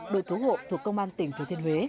đội cứu hộ thuộc công an tỉnh thừa thiên huế